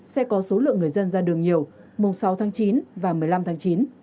sẽ có số lượng người dân ra đường nhiều mùng sáu tháng chín và một mươi năm tháng chín